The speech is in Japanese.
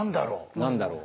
何だろう？